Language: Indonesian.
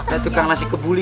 saya tukang nasi kebuli